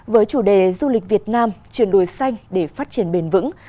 với chủ đề du lịch việt nam chuyển đổi xanh để phát triển bền vững